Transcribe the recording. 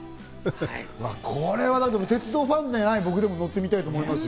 これは鉄道ファンじゃない僕でも乗ってみたいと思いますよ。